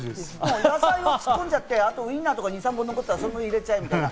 突っ込んじゃってウインナーとか２３本残ってたら、そこに入れちゃえみたいな。